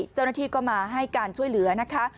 เจ้าหน้าที่ก็มาให้การช่วยเหลือนะคะ